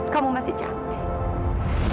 kamu masih cantik